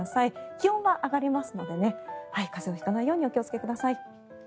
気温は上がりますので風邪を引かないようにお気をつけください。